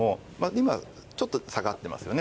今ちょっと下がってますよね。